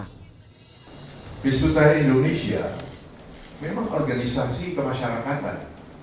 hisbut tahrir indonesia memang organisasi kemasyarakatan